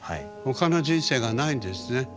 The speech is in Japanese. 他の人生がないんですね。